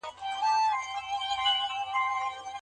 خرقه شریفه بې ارزښته نه ده.